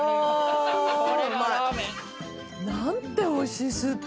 何ておいしいスープ。